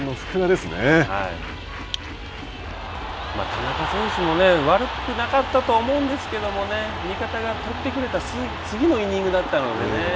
田中選手も悪くなかったと思うんですけども味方が取ってくれた次のイニングだったのでね。